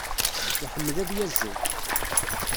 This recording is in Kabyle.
Iḥemmel ad yazzel.